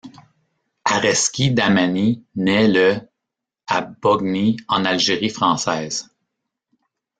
Arezki Dahmani naît le à Boghni, en Algérie française.